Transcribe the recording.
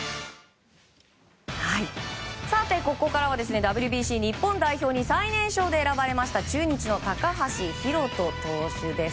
ここからはＷＢＣ日本代表に最年少で選ばれました中日の高橋宏斗投手です。